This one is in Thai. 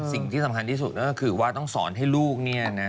สิ่งที่สำคัญที่สุดก็คือว่าต้องสอนให้ลูกเนี่ยนะ